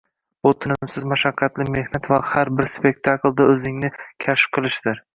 Bu tinimsiz mashaqqatli mehnat va har bir spektaklda o‘zingni kashf qilishdir…”